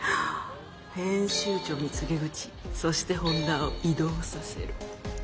編集長に告げ口そして本田を異動させる。